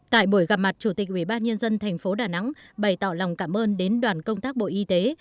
tại buổi gặp mặt chủ tịch ubnd tp đà nẵng bày tỏ lòng cảm ơn đến đoàn công tác bộ y tế